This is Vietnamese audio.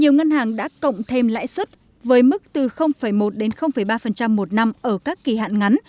nhiều ngân hàng đã cộng thêm lãi suất với mức từ một đến ba một năm ở các kỳ hạn ngắn